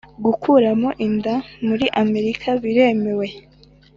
gukuramo inda muri amerika biremewe